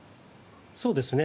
そうですね。